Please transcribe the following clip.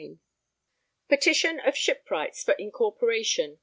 II Petition of Shipwrights for Incorporation